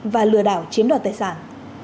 và lừa đảo chiếm đoạt tài sản